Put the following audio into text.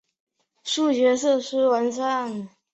教学设施完善。